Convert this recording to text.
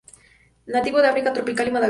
Nativo de África tropical y Madagascar.